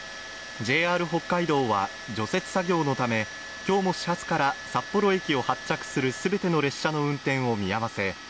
ＪＲ北海道は除雪作業のためきょうも始発から札幌駅を発着するすべての列車の運転を見合わせ